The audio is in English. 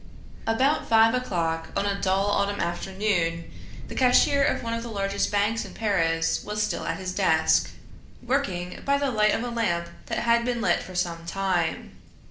About five o'clock, on a dull autumn afternoon, the cashier of one of the largest banks in Paris was still at his desk, working by the light of a lamp that had been lit for some time.